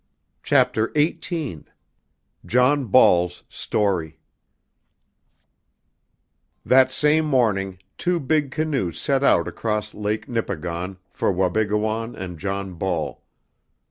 CHAPTER XVIII JOHN BALL'S STORY That same morning two big canoes set out across Lake Nipigon for Wabigoon and John Ball.